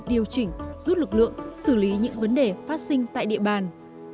điều chỉnh giúp lực lượng xử lý những vấn đề phát sinh tại địa bàn